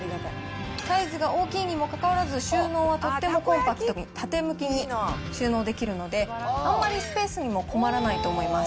サイズが大きいにもかかわらず、収納はとってもコンパクト、縦向きに収納できるので、あんまりスペースにも困らないと思います。